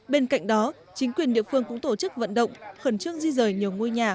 bên cạnh đó chính quyền địa phương cũng tổ chức vận động khẩn trương di rời nhiều ngôi nhà